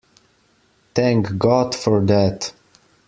Thank God for that!